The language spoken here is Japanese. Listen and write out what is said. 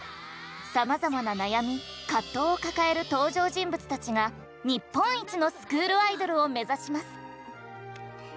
さまざまな悩み葛藤を抱える登場人物たちが日本一のスクールアイドルを目指します。